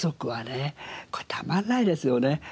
これたまんないですよね。